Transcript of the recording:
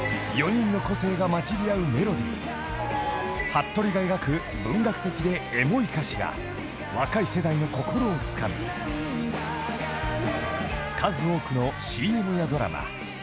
［はっとりが描く文学的でエモい歌詞が若い世代の心をつかみ数多くのＣＭやドラマ映画主題歌などを担当］